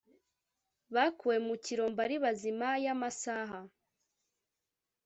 Bakuwe mu kirombe ari bazima y’amasaha